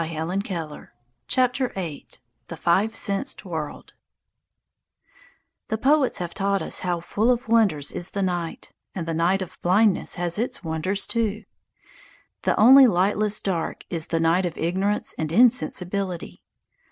THE FIVE SENSED WORLD VIII THE FIVE SENSED WORLD THE poets have taught us how full of wonders is the night; and the night of blindness has its wonders, too. The only lightless dark is the night of ignorance and insensibility.